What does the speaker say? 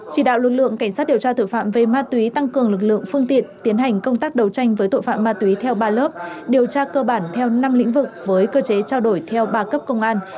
chỉ đạo lực lượng cảnh sát điều tra tội phạm về ma túy tăng cường lực lượng phương tiện tiến hành công tác đấu tranh với tội phạm ma túy theo ba lớp điều tra cơ bản theo năm lĩnh vực với cơ chế trao đổi theo ba cấp công an